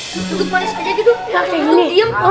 cukup manis aja gitu kak kayak gini